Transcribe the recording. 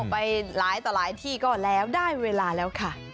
ไปหลายต่อหลายที่ก็แล้วได้เวลาแล้วค่ะ